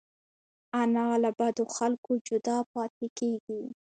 انا له بدو خلکو جدا پاتې کېږي